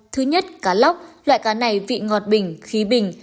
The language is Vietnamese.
thứ nhất cá lóc loại cá này vị ngọt bình khí bình